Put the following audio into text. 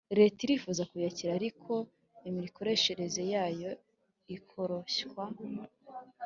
leta irifuza kuyakira ariko imikoreshereze yayo ikoroshywa